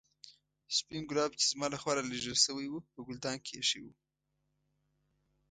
سپين ګلاب چې زما له خوا رالېږل شوي وو په ګلدان کې ایښي وو.